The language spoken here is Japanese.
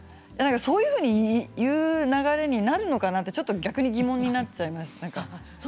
そういうふうに言う流れになるのかなって逆に疑問に思っちゃいました。